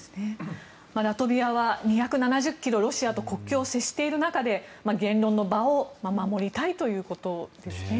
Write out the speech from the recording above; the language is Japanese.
ラトビアは２７０ｋｍロシアと国境を接している中で言論の場を守りたいということですね。